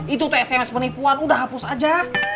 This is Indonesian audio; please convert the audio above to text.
itu tuh sms penipuan udah hapus aja